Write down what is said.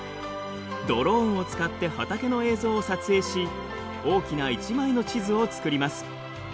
ドローンを使って畑の映像を撮影し大きな１枚の地図を作ります。